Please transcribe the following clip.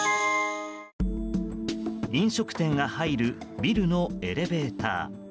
飲食店が入るビルのエレベーター。